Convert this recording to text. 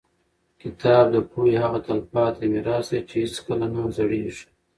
کتاب د پوهې هغه تلپاتې میراث دی چې هېڅکله نه زړېږي.